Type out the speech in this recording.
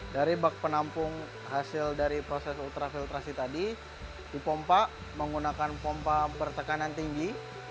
dari bak penampung hasil dari proses ultrafiltrasi tadi dipompa menggunakan pompa bertekanan tinggi